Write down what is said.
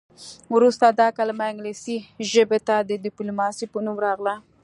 وروسته دا کلمه انګلیسي ژبې ته د ډیپلوماسي په نوم راغله